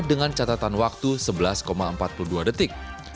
dengan catatan waktu sebelas empat puluh dua detik